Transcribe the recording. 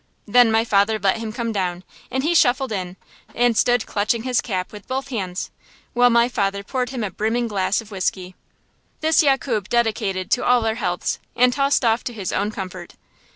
Then my father let him come down, and he shuffled in, and stood clutching his cap with both hands, while my father poured him a brimming glass of whiskey. This Yakub dedicated to all our healths, and tossed off to his own comfort.